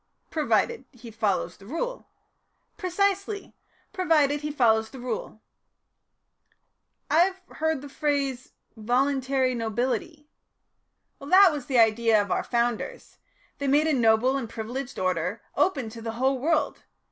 "Provided he follows the Rule." "Precisely provided he follows the Rule." "I have heard the phrase, 'voluntary nobility.'" "That was the idea of our Founders. They made a noble and privileged order open to the whole world.